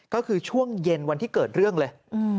ก็คือช่วงเย็นวันที่เกิดเรื่องเลย